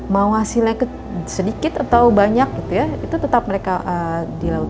mau hasilnya sedikit atau banyak gitu ya itu tetap mereka di laut